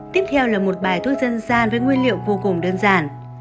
tiếp theo là một bài thuốc dân gian với nguyên liệu vô cùng đơn giản